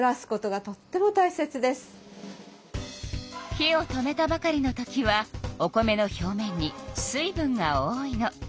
火を止めたばかりのときはお米の表面に水分が多いの。